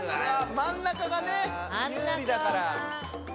真ん中がね有利だから。